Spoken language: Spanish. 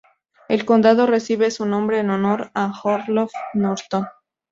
El condado recibe su nombre en honor a Orloff Norton.